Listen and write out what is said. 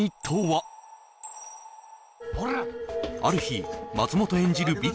ある日松本演じる